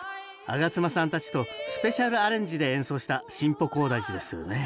上妻さんたちとスペシャルアレンジで演奏した「新保広大寺」ですよね。